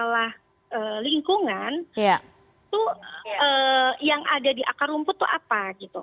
masalah lingkungan itu yang ada di akar rumput itu apa gitu